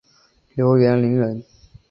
刘元霖人。